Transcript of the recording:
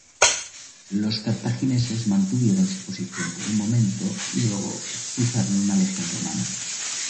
Los cartagineses mantuvieron su posición por un momento, y luego expulsaron una legión romana.